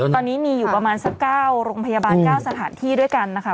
ตอนนี้มีอยู่ประมาณสัก๙โรงพยาบาล๙สถานที่ด้วยกันนะคะ